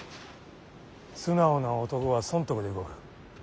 素直な男は損得で動く。